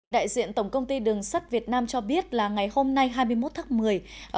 đại diện tổng công ty đường sắt việt nam cho biết là ngày hôm nay hai mươi một tháng một mươi